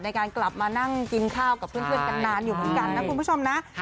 ในการกลับมานั่งกินข้าวกับเพื่อนกันนานอยู่เหมือนกันนะคุณผู้ชมนะ